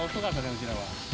うちらは。